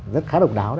rất khá độc đáo đấy